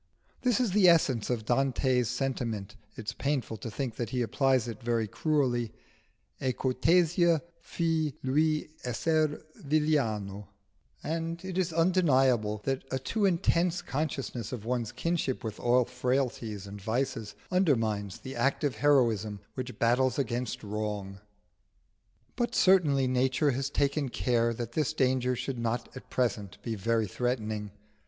This is the essence of Dante's sentiment (it is painful to think that he applies it very cruelly) "E cortesia fù, lui esser villano" and it is undeniable that a too intense consciousness of one's kinship with all frailties and vices undermines the active heroism which battles against wrong. But certainly nature has taken care that this danger should not at present be very threatening.